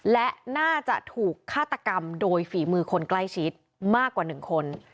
และน่าจะถูกฆาตกรรมโดยฝีมือคนใกล้ชิดมากกว่า๑คน